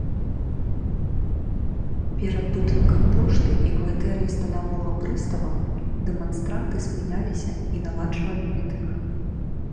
Перад будынкам пошты і кватэрай станавога прыстава дэманстранты спыняліся і наладжвалі мітынг.